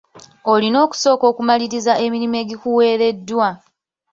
Olina okusooka okumaliriza emirimu egikuweereddwa.